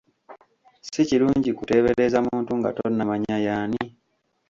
Si kirungi kuteebereza muntu nga tonnamanya y'ani.